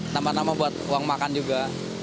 nama nama buat uang makan juga